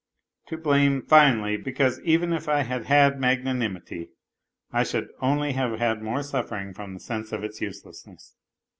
To blame, finally, because even if I had had mag nanimity, I should only have had more suffering from the sense of its uselessness.